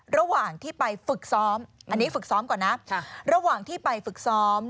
ระหว่างที่ไปฝึกซ้อมอันนี้ฝึกซ้อมก่อนนะระหว่างที่ไปฝึกซ้อม